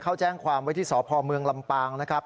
เขาแจ้งความไว้ที่สพเมืองลำปางนะครับ